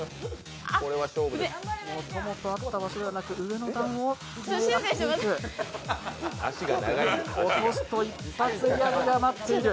もともとあった場所ではなく上の段を狙っていく。